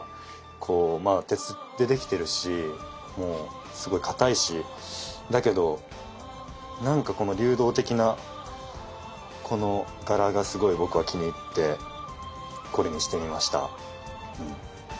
こうまあ鉄でできてるしもうすごいかたいしだけどなんかこの流動的なこの柄がすごい僕は気に入ってこれにしてみました。